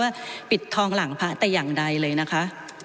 ต่างกับว่าปิดทองหลังพระแต่อย่างใดเลยนะคะ